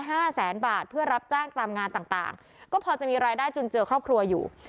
ห้าแสนบาทเพื่อรับจ้างตามงานต่างต่างก็พอจะมีรายได้จุนเจอครอบครัวอยู่